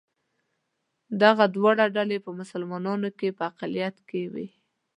دغه دواړه ډلې په مسلمانانو کې په اقلیت کې وې.